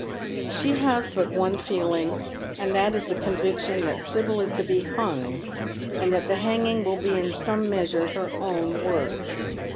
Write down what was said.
She has but one feeling, and that is the conviction that Sibyl is to be hung, and that the hanging will be in some measure her own work.